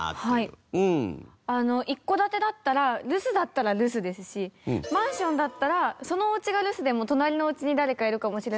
あの一戸建てだったら留守だったら留守ですしマンションだったらそのお家が留守でも隣のお家に誰かいるかもしれないって。